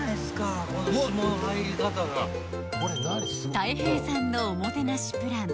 大平さんのおもてなしプラン